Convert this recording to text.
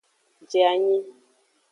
Je anyi.